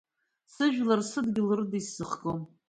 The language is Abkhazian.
Сыжәлар, сыдгьыл рыда исзыхгом.